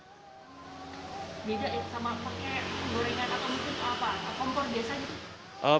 beda sama pakai gorengan atau kompor